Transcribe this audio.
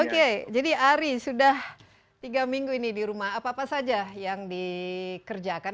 oke jadi ari sudah tiga minggu ini di rumah apa apa saja yang dikerjakan